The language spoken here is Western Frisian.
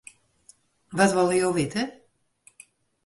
Wat wolle jo witte?